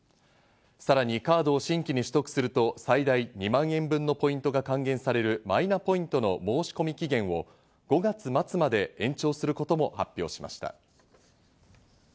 さらにカードを新規に取得すると、最大２万円分のポイントが還元されるマイナポイントの申し込み期限を５月末まで延長することも発表しました。